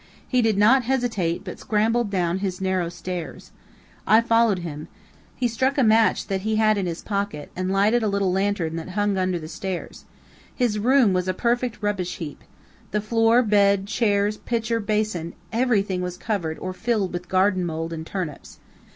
He did not hesitate, but scrambled down his narrow stairs. I followed him. He struck a match that he had in his pocket, and lighted a little lantern that hung under the stairs. His room was a perfect rubbish heap. The floor, bed, chairs, pitcher, basin everything was covered or filled with garden mold and turnips.